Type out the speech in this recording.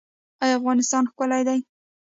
آیا افغانستان ښکلی دی؟